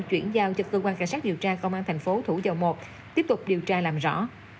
chuyển giao cho cơ quan cảnh sát điều tra công an thành phố thủ dầu một tiếp tục điều tra làm rõ